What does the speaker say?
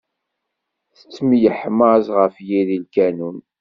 Tettemyeḥmaẓ ɣef yiri lkanun.